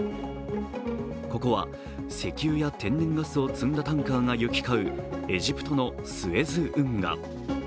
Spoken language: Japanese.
ここは石油や天然ガスを積んだタンカーが行き交うエジプトのスエズ運河。